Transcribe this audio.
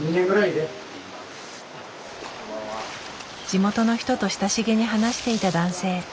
地元の人と親しげに話していた男性。